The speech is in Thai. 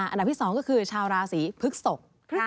อันดับที่๒ก็คือชาวราศีพฤกษก